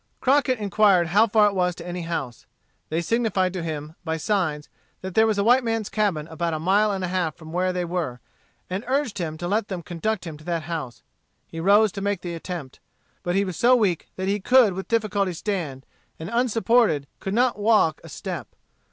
Crockett inquired how far it was to any house. They signified to him, by signs, that there was a white man's cabin about a mile and a half from where they then were, and urged him to let them conduct him to that house. He rose to make the attempt. But he was so weak that he could with difficulty stand, and unsupported could not walk a step.